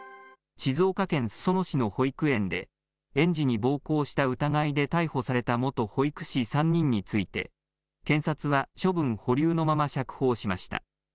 静岡県裾野市の保育園で、園児に暴行した疑いで逮捕された元保育士３人について、検察は処分保留のまま釈放しました。